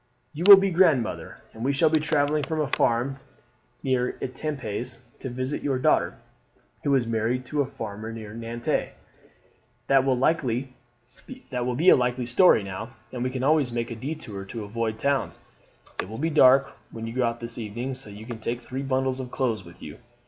"You will be grandmother, and we shall be travelling from a farm near Etampes to visit your daughter, who is married to a farmer near Nantes. That will be a likely story now, and we can always make a detour to avoid towns. It will be dark when you go out this evening, so you can take three bundles of clothes with you.